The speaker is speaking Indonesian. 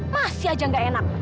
masih aja enggak enak